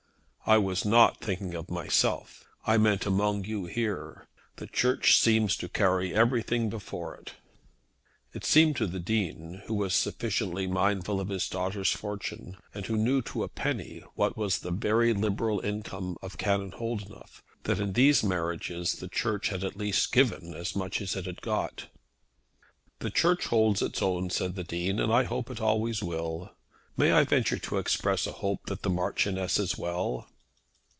"I was not thinking of myself. I meant among you here. The church seems to carry everything before it." It seemed to the Dean, who was sufficiently mindful of his daughter's fortune, and who knew to a penny what was the very liberal income of Canon Holdenough, that in these marriages the church had at least given as much as it had got. "The church holds its own," said the Dean, "and I hope that it always will. May I venture to express a hope that the Marchioness is well."